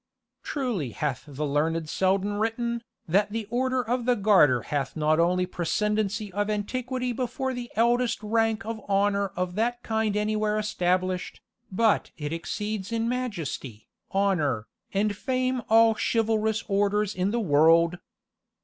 Truly hath the learned Selden written, "that the Order of the Garter hath not only precedency of antiquity before the eldest rank of honour of that kind anywhere established, but it exceeds in majesty, honour, and fame all chivalrous orders in the world."